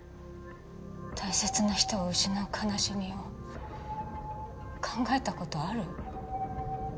大切な人を失う悲しみを考えたことある？